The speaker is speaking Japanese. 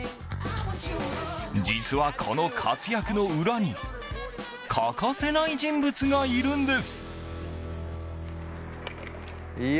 実はこの活躍の裏に欠かせない人物がいるんです。